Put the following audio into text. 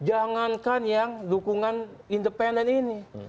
jangankan yang dukungan independen ini